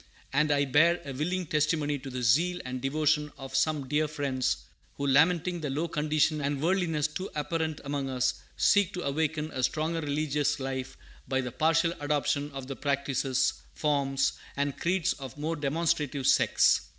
And I bear a willing testimony to the zeal and devotion of some dear friends, who, lamenting the low condition and worldliness too apparent among us, seek to awaken a stronger religious life by the partial adoption of the practices, forms, and creeds of more demonstrative sects.